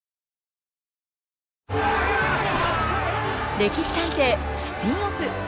「歴史探偵」スピンオフ。